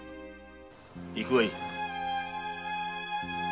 行くがいい。